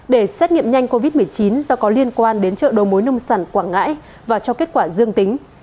để xét nghiệm nhanh covid một mươi chín do có liên quan đến chợ đầu mối nông sản quảng ngãi và cho kết quả dương tính